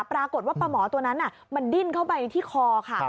ปรากฏว่าปลาหมอตัวนั้นมันดิ้นเข้าไปที่คอค่ะ